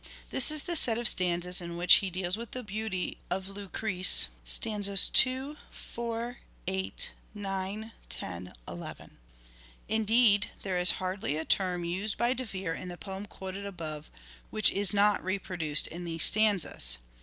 This is the set of stanzas in which he deals with the beauty of Lucrece (Stanzas 2, 4, 8, 9, 10, n). Indeed, there is hardly a term used by De Vere in the poem quoted above, which is not reproduced in these stanzas.